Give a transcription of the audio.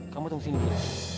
kamu tunggu sini